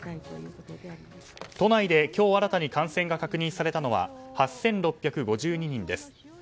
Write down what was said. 都内で今日新たに感染が確認されたのは８６５２人です。